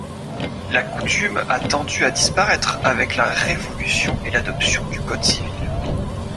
La Coutume a tendu à disparaître avec la Révolution et l'adoption du Code civil.